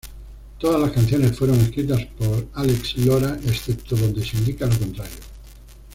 Todas las canciones fueron escritas por Álex Lora, excepto donde se indica lo contrario.